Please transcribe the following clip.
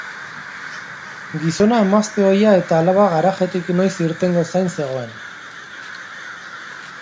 Gizona emazte ohia eta alaba garajetik noiz irtengo zain zegoen.